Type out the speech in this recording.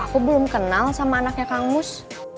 aku belum kenal sama anaknya kang mus